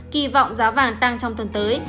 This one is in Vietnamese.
kỳ vọng giá vàng tăng trong tuần tới